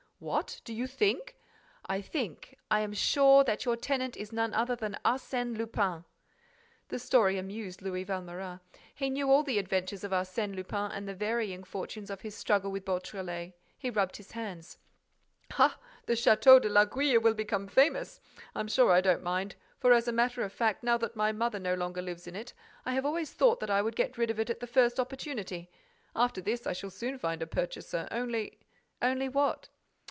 "What! Do you think—?" "I think, I am sure that your tenant is none other than Arsène Lupin." The story amused Louis Valméras. He knew all the adventures of Arsène Lupin and the varying fortunes of his struggle with Beautrelet. He rubbed his hands: "Ha, the Château de l'Aiguille will become famous!—I'm sure I don't mind, for, as a matter of fact, now that my mother no longer lives in it, I have always thought that I would get rid of it at the first opportunity. After this, I shall soon find a purchaser. Only—" "Only what?"